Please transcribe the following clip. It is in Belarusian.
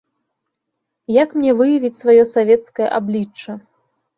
Як мне выявіць сваё савецкае аблічча?